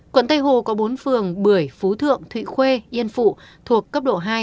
quận tây hồ có bốn phường bưởi phú thượng thụy khuê yên phụ thuộc cấp độ hai